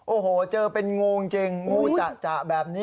โอ้โหเจอเป็นงูจริงงูจะแบบนี้